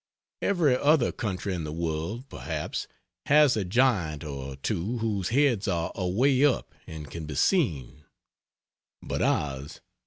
Every other country in the world, perhaps, has a giant or two whose heads are away up and can be seen, but ours.